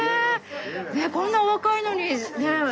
こんなお若いのにねえ？